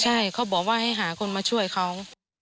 ใช่เขาบอกว่าให้หาคนมาช่วยเขา